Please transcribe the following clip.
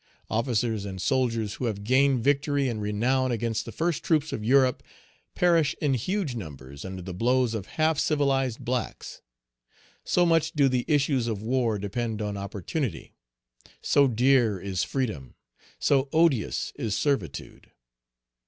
Officers and soldiers, who have gained Page 196 victory and renown against the first troops of Europe, perish in huge numbers under the blows of half civilized blacks. So much do the issues of war depend on opportunity; so dear is freedom; so odious is servitude.